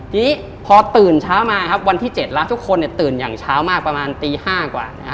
ทีนี้พอตื่นเช้ามาครับวันที่๗แล้วทุกคนตื่นอย่างเช้ามากประมาณตี๕กว่านะฮะ